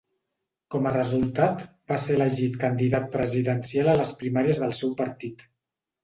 Com a resultat, va ser elegit candidat presidencial a les primàries pel seu partit.